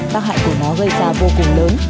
tác hại của nó gây ra vô cùng lớn